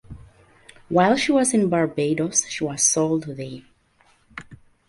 While she was in Barbados she was sold there.